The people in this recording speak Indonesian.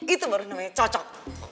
itu baru namanya cocok